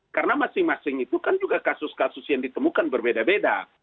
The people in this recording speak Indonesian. karena masing masing itu kan juga kasus kasus yang ditemukan berbeda beda